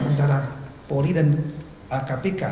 antara polri dan kpk